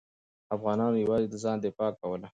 افغانانو یوازې د ځان دفاع کوله.